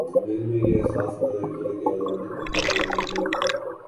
دل میں یہ احساس پیدا کیا کہ آزادی کتنی بڑی نعمت ہے